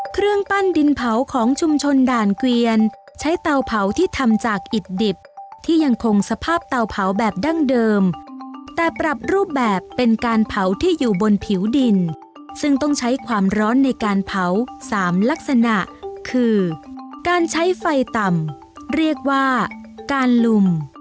เครื่องปั้นดินเผาของชุมชนด่านเกวียนใช้เตาเผาที่ทำจากอิดดิบที่ยังคงสภาพเตาเผาแบบดั้งเดิมแต่ปรับรูปแบบเป็นการเผาที่อยู่บนผิวดินซึ่งต้องใช้ความร้อนในการเผาสามลักษณะคือการใช้ไฟต่ำเรียกว่าการลุม